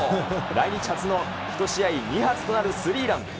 来日初の１試合２発となるスリーラン。